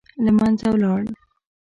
له منځه ولاړ.